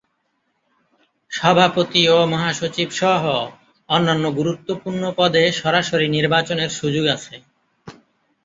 সভাপতি ও মহাসচিব সহ অন্যান্য গুরুত্বপূর্ণ পদে সরাসরি নির্বাচনের সুযোগ আছে।